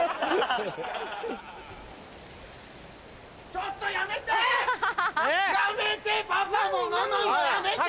ちょっとやめて！